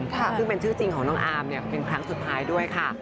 ซึ่งเป็นชื่อจริงของน้องอาร์มเป็นครั้งสุดท้ายด้วยค่ะ